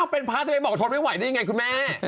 เป็นพระจะไปบอกทนไม่ไหวได้ยังไงคุณแม่